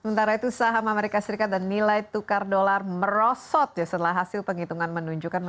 sementara itu saham amerika serikat dan nilai tukar dolar merosot setelah hasil penghitungan menunjukkan